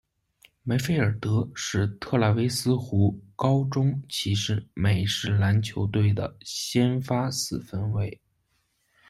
梅菲尔德是特拉维斯湖高中骑士美式足球队的先发四分卫。